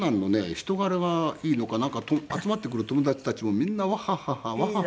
人柄がいいのか集まってくる友達たちもみんなワハハハワハハで。